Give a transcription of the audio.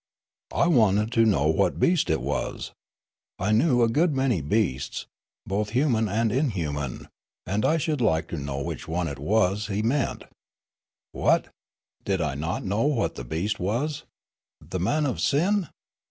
I wanted to know what beast it was ; I knew a 328 Haciocram 329 good many beasts, both human and inhuman ; and I should like to know which one it w^as he meant. What ! Did I not know what the beast was ? the man of sin